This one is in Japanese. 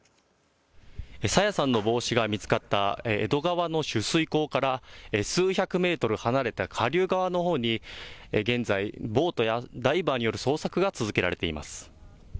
朝芽さんの帽子が見つかった江戸川の取水口から数百メートル離れた下流側のほうに現在、ボートやダイバーによる捜索が続けられています。